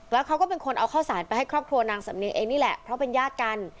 แล้วเขาก็เป็นคนเอาข้าวสารไปให้ครอบครัวนางสำเนียงเองนี่แหละเพราะเป็นญาติกัน